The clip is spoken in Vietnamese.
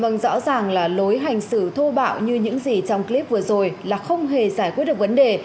vâng rõ ràng là lối hành xử thô bạo như những gì trong clip vừa rồi là không hề giải quyết được vấn đề